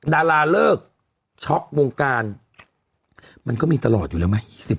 ดาราเลิกช็อกวงการมันก็มีตลอดอยู่แล้วไหม